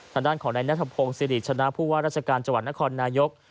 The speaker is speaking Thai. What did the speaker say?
ทางด้านของในนัฐพงศ์สิริชนะภูวะราชการจนครนายก